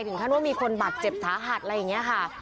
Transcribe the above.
ถึงขั้นว่ามีคนบาดเจ็บสาหัสอะไรอย่างนี้ค่ะ